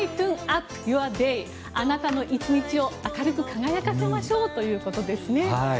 あなたの１日を明るく輝かせましょうということですね。